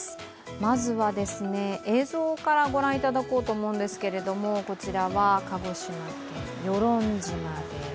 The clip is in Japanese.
まずは、映像から御覧いただこうと思うんですけど、こちらは鹿児島県、与論島です。